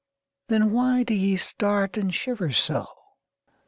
Then why do ye start and shiver so?